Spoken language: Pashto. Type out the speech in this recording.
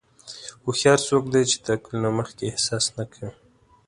هوښیار څوک دی چې د عقل نه مخکې احساس نه کوي.